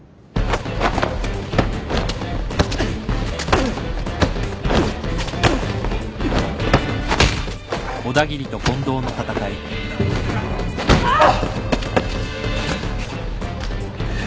うわ。あっ。